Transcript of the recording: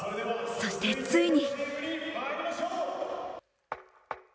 そしてついに。